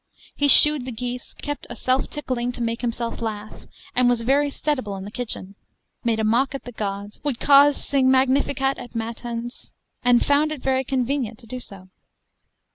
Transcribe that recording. He shoed the geese, kept a self tickling to make himself laugh, and was very steadable in the kitchen: made a mock at the gods, would cause sing Magnificat at matins, and found it very convenient so to do.